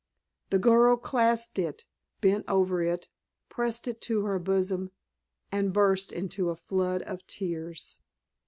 The girl clasped it, bent over it, pressed it to her bosom, and burst into a flood of tears.